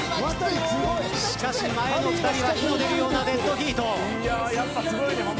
しかし、前の２人は火の出るようなデッドヒート。